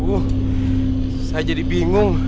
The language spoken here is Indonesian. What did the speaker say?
bu saya jadi bingung